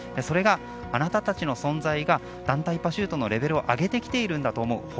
それが、あなたたちの存在が団体パシュートのレベルを上げてきているんだと思う。